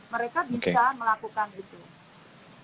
mereka bisa melakukan itu